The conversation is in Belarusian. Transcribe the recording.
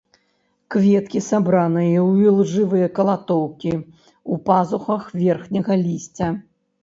Кветкі сабраны ў ілжывыя калатоўкі ў пазухах верхняга лісця.